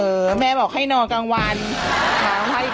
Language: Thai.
รองเท้าเป็นไหนรองเท้าเป็นไหน